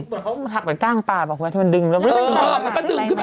เขาถักแต่กล้างตาบอ่ะครับที่มันดึง